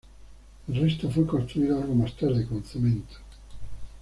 El resto fue construido algo más tarde, con cemento.